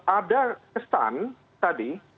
ada kesan tadi